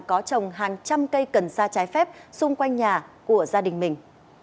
có trồng hàng trăm cây cần sa trái phép xung quanh nhà của gia đình mình